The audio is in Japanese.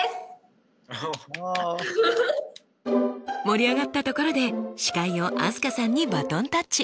盛り上がったところで司会を飛鳥さんにバトンタッチ。